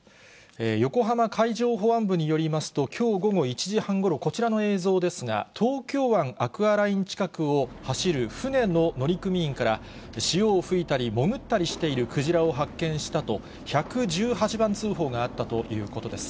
横浜海上保安部によりますと、きょう午後１時半ごろ、こちらの映像ですが、東京湾アクアライン近くを走る船の乗組員から、潮を吹いたり潜ったりしているクジラを発見したと、１１８番通報があったということです。